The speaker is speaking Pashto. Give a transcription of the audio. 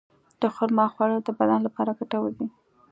د خرما خوړل د بدن لپاره ګټور دي.